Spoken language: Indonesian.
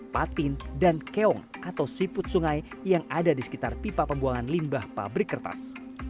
patin dan keong atau siput sungai yang ada di sekitar pipa pembuangan limbah pabrik kertas